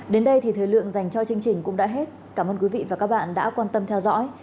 đến đây thì thời lượng dành cho chương trình cũng đã hết cảm ơn quý vị và các bạn đã quan tâm theo dõi